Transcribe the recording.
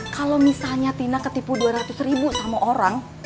kalau misalnya tina ketipu dua ratus ribu sama orang